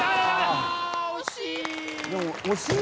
惜しい。